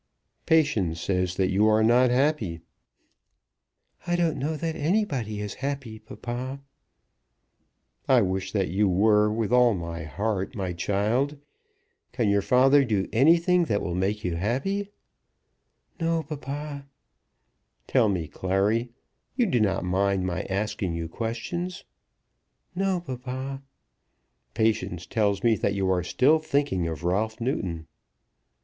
"Patience says that you are not happy." "I don't know that anybody is happy, papa." "I wish that you were with all my heart, my child. Can your father do anything that will make you happy?" "No, papa." "Tell me, Clary. You do not mind my asking you questions?" "No, papa." "Patience tells me that you are still thinking of Ralph Newton."